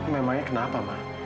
memangnya kenapa ma